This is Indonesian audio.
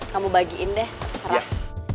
kamu bagiin deh terserah